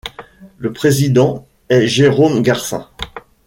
Le président est Jérôme Garcin.